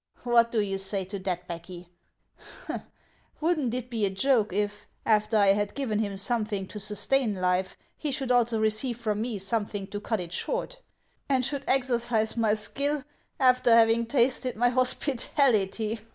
What do you say to that, Becky ? Would n't it be a joke if after I had given him something to sustain life he should also receive from me something to cut it short, and should exercise my skill after having tasted my hospitality